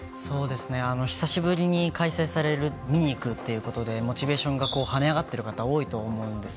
久しぶりに開催される見に行くということでモチベーションがはね上がっている方は多いと思うんです。